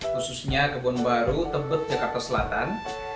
khususnya kebun baru tebet jakarta selatan